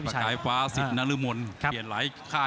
โหโหโหโหโหโหโหโหโหโหโหโห